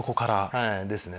はいですね。